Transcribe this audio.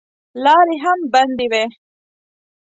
لارې هم بندې وې.